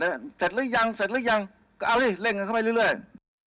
เสร็จหรือยังเสร็จหรือยังก็เอาดิเล่นกันเข้าไปเรื่อย